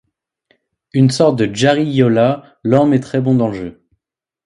Une sorte de Jari Ilola, lent mais très bon dans le jeu.